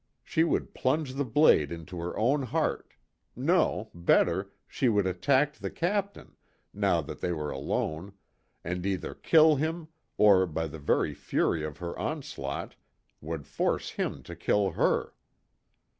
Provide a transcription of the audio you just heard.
She would plunge the blade into her own heart no, better, she would attack the Captain now that they were alone, and either kill him, or by the very fury of her onslaught, would force him to kill her.